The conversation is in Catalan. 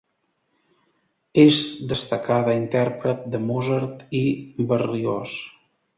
És destacada intèrpret de Mozart i Berlioz.